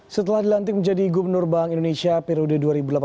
setelah dilantik menjadi gubernur bank indonesia periode dua ribu delapan belas dua ribu